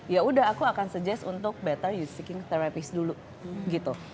ya udah aku akan suggest untuk better you seeking terapis dulu